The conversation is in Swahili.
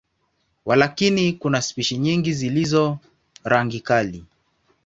Walakini, kuna spishi nyingi zilizo rangi kali.